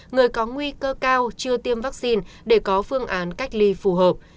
người có nguy cơ cao chưa tiêm vaccine để có phương án cách ly phù hợp